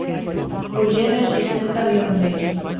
Collera a asistenta había un mes.